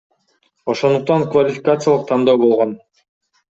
Ошондуктан квалификациялык тандоо болгон.